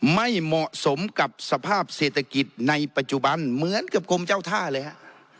ไม่เหมาะสมกับสภาพเศรษฐกิจในปัจจุบันเหมือนกับกรมเจ้าท่าเลยฮะ